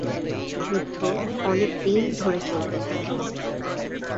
যুদ্ধ অনেক দিন ধরে চলতে থাকে।